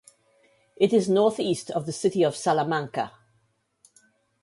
It is northeast of the city of Salamanca.